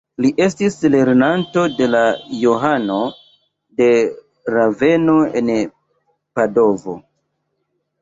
Li estis lernanto de Johano de Raveno, en Padovo.